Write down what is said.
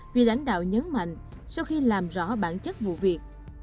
vì lãnh đạo nhấn mạnh sau khi làm rõ bản chất vụ việc